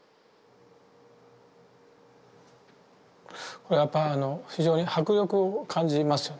これやっぱあの非常に迫力を感じますよね。